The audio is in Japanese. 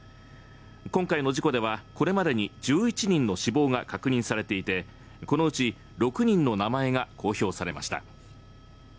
今回の事故ではこれまでに１１人の死亡が確認されていて、このうち６人の名前が公表されました。